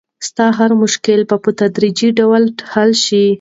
ستا هر مشکل به په تدریجي ډول حل شي.